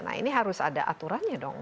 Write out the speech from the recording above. nah ini harus ada aturannya dong